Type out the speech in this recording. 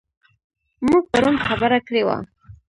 موږ پرون خبره کړې وه.